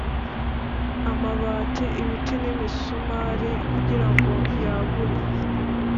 Amabati ibiti n imisumari kugira ngo yagure